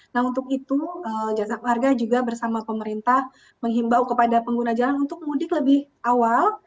nah untuk itu jasa marga juga bersama pemerintah menghimbau kepada pengguna jalan untuk mudik lebih awal